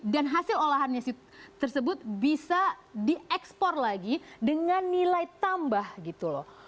dan hasil olahannya tersebut bisa diekspor lagi dengan nilai tambah gitu loh